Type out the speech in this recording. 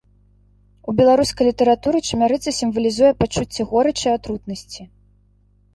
У беларускай літаратуры чамярыца сімвалізуе пачуцці горычы і атрутнасці.